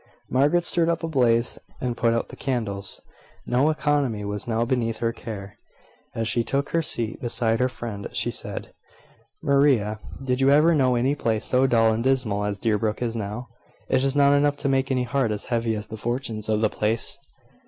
Margaret stirred up a blaze, and put out the candles. No economy was now beneath her care. As she took her seat beside her friend, she said: "Maria, did you ever know any place so dull and dismal as Deerbrook is now? Is it not enough to make any heart as heavy as the fortunes of the place?"